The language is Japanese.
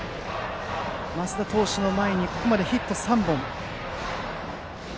升田投手の前にここまでヒット３本。